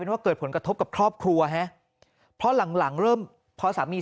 ว่าเกิดผลกระทบกับครอบครัวฮะเพราะหลังหลังเริ่มพอสามี